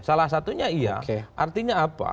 salah satunya iya artinya apa